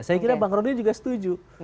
saya kira bang rodo ini juga setuju